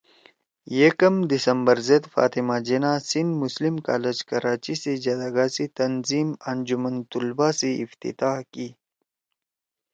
یکم دسمبر زید فاطمہ جناح سندھ مسلم کالج کراچی سی جدَگا سی تنظیم ”انجمن طلبہ“ سی افتتاح کی